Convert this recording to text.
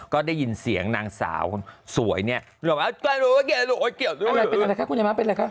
ก็ได้ยินเสียงนางสาวคนสวยเนี่ยอะไรเป็นอะไรคะคุณยายม้าเป็นอะไรคะ